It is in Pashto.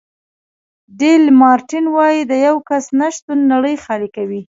ډي لمارټین وایي د یو کس نه شتون نړۍ خالي کوي.